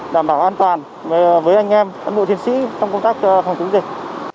đảm bảo an toàn với anh em bộ chiến sĩ trong công tác phòng chống dịch